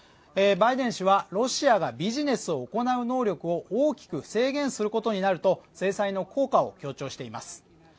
バイデン氏は、ロシアがビジネスを行う能力を大きく制限することになると制裁の効果を強調しています。